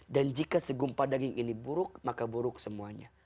dan jika segumpah daging ini buruk maka buruk semuanya